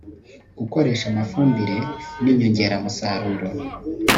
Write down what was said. gukoresha amafumbire n’inyongeramusaruro